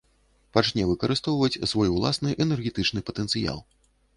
Пачне выкарыстоўваць свой уласны энергетычны патэнцыял.